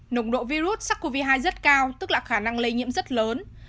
nồng độ virus sars cov hai rất cao tức là khả năng lây nhiễm rất lớn